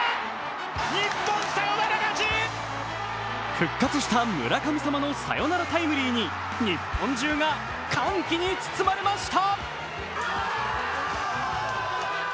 復活した村神様のサヨナラタイムリーに日本中が歓喜に包まれました。